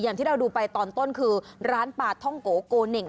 อย่างที่เราดูไปตอนต้นคือร้านปลาท่องโกโกเน่ง